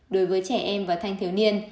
đối với trẻ em và thanh thiếu niên